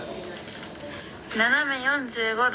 斜め４５度。